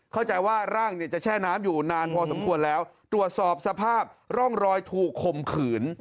เข้าใจว่าร่างเนี่ยจะแช่น้ำอยู่นานพอสมควรแล้วตรวจสอบสภาพร่องรอยถูกข่มขืน